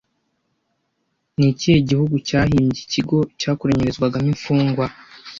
Ni ikihe gihugu cyahimbye ikigo cyakoranyirizwagamo imfungwa